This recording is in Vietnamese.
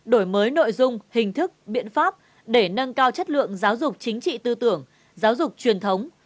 đổi mới nội dung hình thức biện pháp để nâng cao chất lượng giáo dục chính trị tư tưởng giáo dục truyền thống